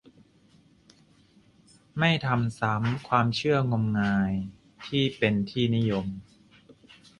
ไม่ทำซ้ำ ความเชื่องมงายที่เป็นที่นิยม